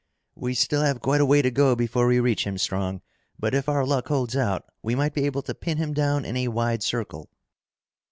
"We still have quite a way to go before we reach him, Strong. But if our luck holds out, we might be able to pin him down in a wide circle."